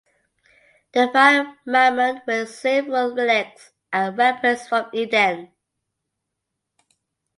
They find Mammon with several relics and weapons from Eden.